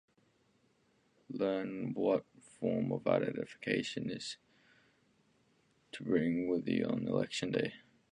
Learn what form of identification to bring with you on Election Day.